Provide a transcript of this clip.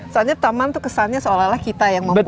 soalnya taman itu kesannya seolah olah kita yang membuat